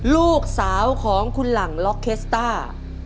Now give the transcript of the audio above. ลูกสาวของคุณหลังล็อกเคสต้า